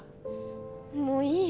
もういいよ。